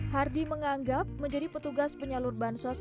hardy menganggap menjadi petugas penyelur bantuan sosial